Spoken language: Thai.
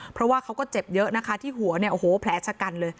เพราะว่าเขาก็เจ็บเยอะนะคะที่หัวเนี่ย